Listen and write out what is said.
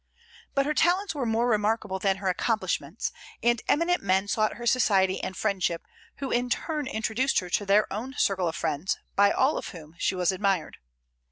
But her talents were more remarkable than her accomplishments; and eminent men sought her society and friendship, who in turn introduced her to their own circle of friends, by all of whom she was admired.